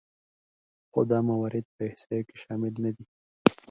خو دا موارد په احصایو کې شامل نهدي